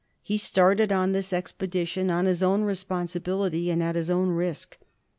He started on this expedition on his own responsibility and at his own risk.